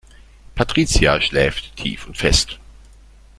Patricia schläft tief und fest.